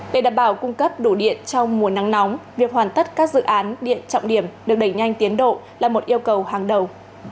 để đảm bảo cung cấp đủ điện trong mùa nắng nóng việc hoàn tất các dự án điện trọng điểm được đẩy nhanh tiến độ là một yêu cầu hàng đầu